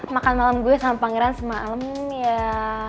makan malam gue sama pangeran semalam ya